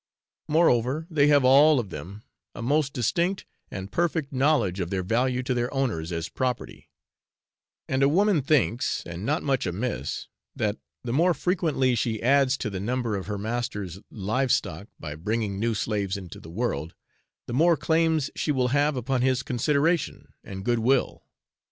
Moreover, they have all of them a most distinct and perfect knowledge of their value to their owners as property; and a woman thinks, and not much amiss, that the more frequently she adds to the number of her master's live stock by bringing new slaves into the world, the more claims she will have upon his consideration and goodwill.